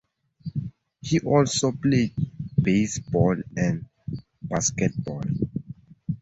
He also played baseball and basketball.